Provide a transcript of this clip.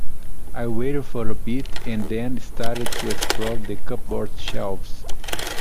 I waited for a bit, and then started to explore the cupboard shelves.